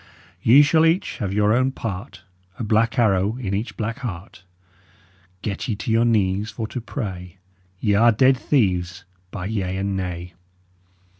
Ye shull each have your own part, A blak arrow in each blak heart. Get ye to your knees for to pray: Ye are ded theeves, by yea and nay!